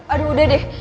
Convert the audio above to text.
aduh udah deh